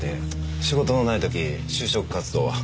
仕事のない時就職活動は？